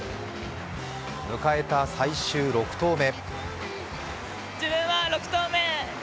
迎えた最終６投目。